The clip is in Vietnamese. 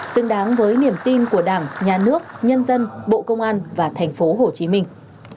xứng đáng với niềm tin của đảng nhà nước nhân dân bộ công an và thành phố hồ chí minh